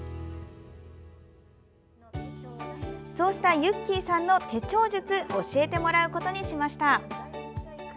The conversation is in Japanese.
そうした、ゆっきーさんの手帳術教えてもらうことにしました。